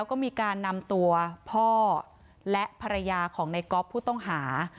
ก็มีการนำตัวพ่อและภรรยาของในก๊อฟผู้ต้องหา